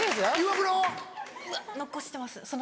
うわ残してます。